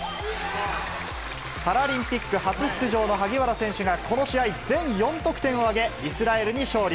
パラリンピック初出場の萩原選手が、この試合全４得点を挙げ、イスラエルに勝利。